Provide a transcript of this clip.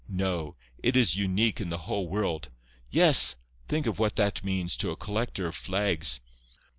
No. It is unique in the whole world. Yes. Think of what that means to a collector of flags!